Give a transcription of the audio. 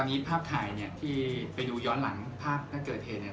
ตอนนี้ภาพถ่ายเนี่ยที่ไปดูย้อนหลังภาพนักกรไฐเทนเนี่ย